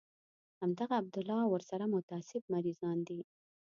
همدغه عبدالله او ورسره متعصب مريضان دي.